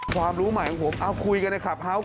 ความรู้ใหม่ของผมเอาคุยกันในคลับเฮาส์